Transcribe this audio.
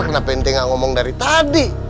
kenapa intinya ngomong dari tadi